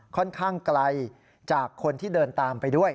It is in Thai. ค่อนข้างไกลจากคนที่เดินตามไปด้วย